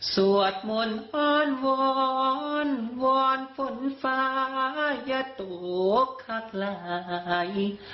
สวดมนต์ออนวอนวอนฝนฟ้ายะตกขาดไหล